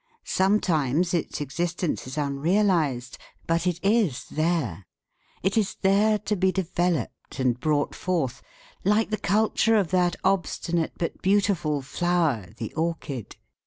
Sometimes its existence is unrealized, but it is there. It is there to be developed and brought forth, like the culture of that obstinate but beautiful flower, the orchid.